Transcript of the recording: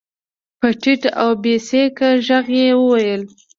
په ټيټ او بې سېکه غږ يې وويل.